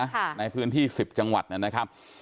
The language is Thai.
ค่ะในพื้นที่สิบจังหวัดนะครับ